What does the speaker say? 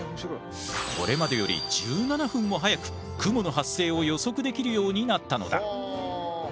これまでより１７分も早く雲の発生を予測できるようになったのだ。